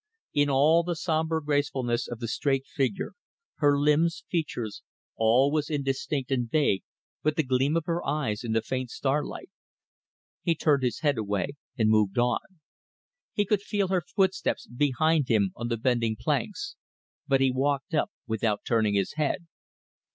In all the sombre gracefulness of the straight figure, her limbs, features all was indistinct and vague but the gleam of her eyes in the faint starlight. He turned his head away and moved on. He could feel her footsteps behind him on the bending planks, but he walked up without turning his head.